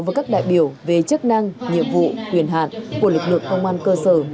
với các đại biểu về chức năng nhiệm vụ quyền hạn của lực lượng công an cơ sở